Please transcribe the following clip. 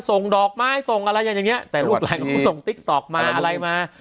ส่งดอกไม้ส่งอะไรอย่างเงี้ยแต่รูปแรงเขาส่งติ๊กต๊อกมาอะไรมา